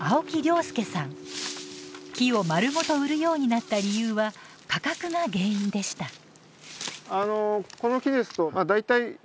木をまるごと売るようになった理由は価格が原因でした。